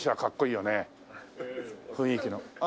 雰囲気の。